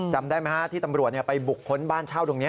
จำได้ไหมฮะที่ตำรวจไปบุคคลบ้านเช่าตรงนี้